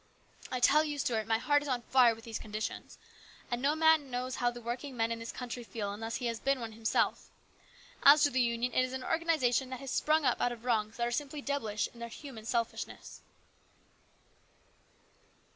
I tell you, Stuart, my heart is on fire with these conditions, and no man knows how the working men in this country feel unless he has been one himself. As to the Union, it is an organisation that has sprung up out of wrongs that are simply devilish in their human selfishness."